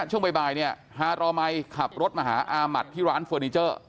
ช่วงบ่ายเนี่ยฮารอมัยขับรถมาหาอามัติที่ร้านเฟอร์นิเจอร์